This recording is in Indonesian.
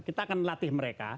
kita akan latih mereka